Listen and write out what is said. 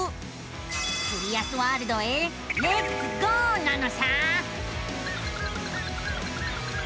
キュリアスワールドへレッツゴーなのさあ。